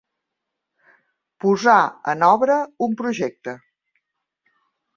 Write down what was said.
Posar en obra un projecte.